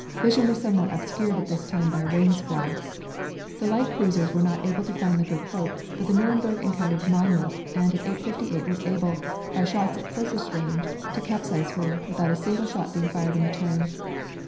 Vision was somewhat obscured at this time by a rain squall. The light cruisers were not able to find the Good Hope, but the Nuremburg encountered the Monmouth and at 8.58 was able, by shots at closest range, to capsize her, without a single shot being fired in return.